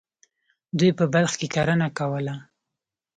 دوی په بلخ کې کرنه کوله.